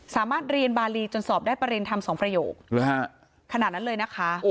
สามารถเรียนบารีจนสอบได้ประเด็นธรรมสองประโยคขนาดนั้นเลยนะคะ